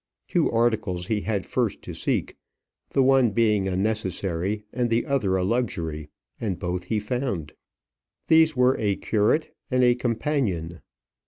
Two articles he had first to seek the one being a necessary, and the other a luxury and both he found. These were a curate and a companion.